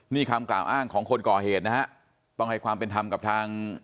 นี่คำกล่าวอ้างของคนก่อเหตุนะฮะต้องให้ความเป็นธรรมกับทาง